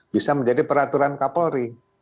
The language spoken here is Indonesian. bisa menjadi peraturan couple ring